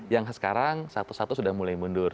yang sekarang satu satu sudah mulai mundur